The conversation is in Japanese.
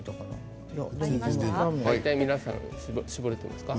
皆さん、絞れていますか？